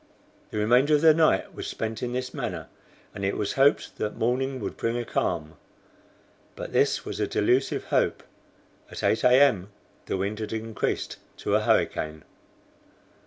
The remainder of the night was spent in this manner, and it was hoped that morning would bring a calm. But this was a delusive hope. At 8 A. M. the wind had increased to a hurricane.